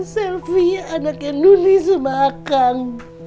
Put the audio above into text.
selvi anaknya nudi sama akan